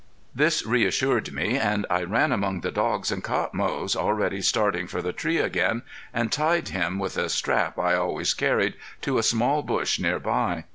This reassured me and I ran among the dogs and caught Moze already starting for the tree again and tied him, with a strap I always carried, to a small bush nearby.